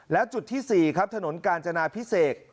และจุดที่๔ครับถนนกาญจนาพิเศษ